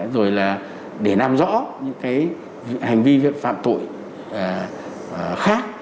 rồi là để làm rõ những hành vi việc phạm tội khác